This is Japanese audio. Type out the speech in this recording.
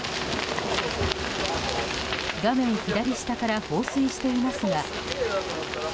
画面左下から放水していますが。